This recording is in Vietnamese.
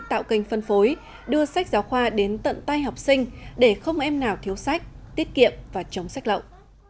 tạo kênh phân phối đưa sách giáo khoa đến tận tay học sinh để không em nào thiếu sách tiết kiệm và chống sách lậu